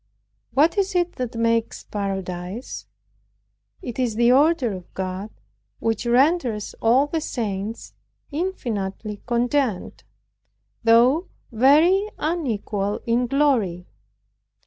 What is it that makes paradise? It is the order of God, which renders all the saints infinitely content, though very unequal in glory!